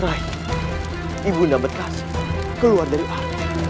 rai ibunya berkasih keluar dari atas